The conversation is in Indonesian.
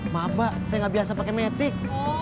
maaf mbak saya gak biasa pake metik